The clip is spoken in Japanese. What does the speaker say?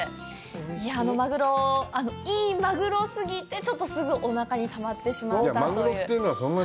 マグロ、いいマグロ過ぎてちょっとすぐおなかにたまってしまったという。